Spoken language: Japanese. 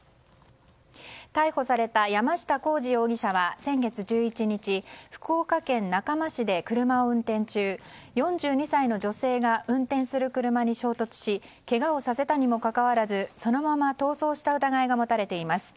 逮捕された山下浩司容疑者は先月１１日福岡県中間市で車を運転中４２歳の女性が運転する車に衝突しけがをさせたにもかかわらずそのまま逃走した疑いが持たれています。